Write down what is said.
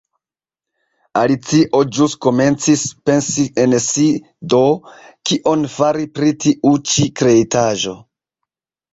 Alicio ĵus komencis pensi en si "Do, kion fari pri tiu ĉi kreitaĵo?"